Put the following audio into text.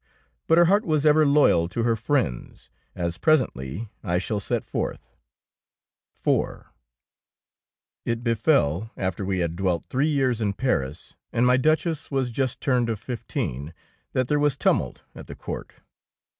But her heart was ever loyal to her friends, as presently I shall set forth. IV It befell, after we had dwelt three years in Paris, and my Duchess was just turned of fifteen, that there was tumult at the court.